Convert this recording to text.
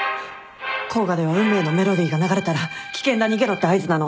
甲賀では『運命』のメロディーが流れたら「危険だ逃げろ」って合図なの。